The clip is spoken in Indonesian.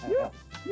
eh kandungan gue